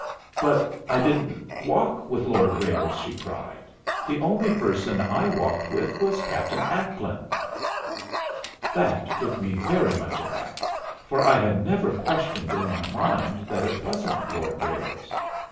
"But I didn't walk with Lord Ralles," she cried. "The only person I walked with was Captain Ackland." That took me very much aback, for I had never questioned in my mind that it wasn't Lord Ralles.